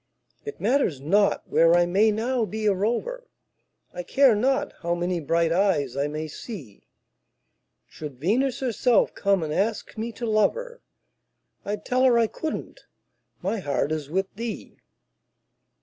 It matters not where I may now be a rover, I care not how many bright eyes I may see; Should Venus herself come and ask me to love her, I'd tell her I couldn't my heart is with thee.